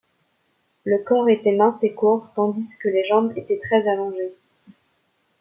Le corps était mince et court, tandis que les jambes étaient très allongées.